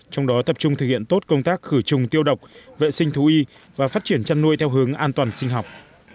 trong đó tập trung thực hiện tốt công tác khử trùng tiêu độc vệ sinh thú y và phát triển chăn nuôi theo hướng an toàn sinh học